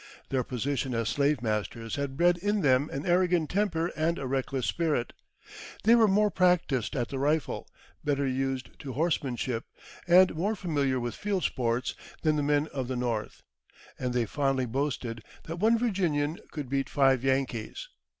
Their position as slave masters had bred in them an arrogant temper and a reckless spirit. They were more practised at the rifle, better used to horsemanship, and more familiar with field sports, than the men of the North. And they fondly boasted that one Virginian could beat five Yankees.